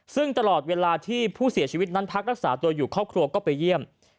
ซึ่งตลอดเวลาที่ผู้เสียชีวิตนั้นพักรักษาตัวอยู่ครอบครัวก็ไปเยี่ยม